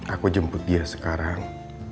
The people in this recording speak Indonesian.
aku jemput dia sekarang